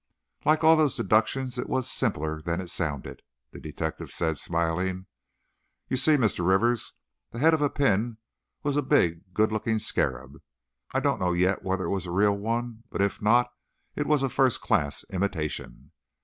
"Like all those deductions it was simpler than it sounded," the detective said, smiling. "You see, Mr. Rivers, the head of the pin was a big good looking scarab. I don't know yet whether it was a real one, but if not it was a first class imitation.